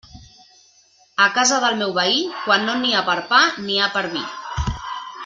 A casa del meu veí, quan no n'hi ha per a pa, n'hi ha per a vi.